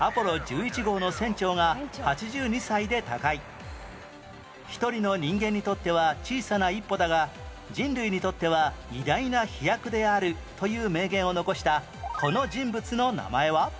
１１年前「一人の人間にとっては小さな一歩だが人類にとっては偉大な飛躍である」という名言を残したこの人物の名前は？